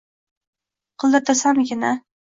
Qidirtirsakmikin-a